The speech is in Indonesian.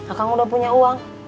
akang udah punya uang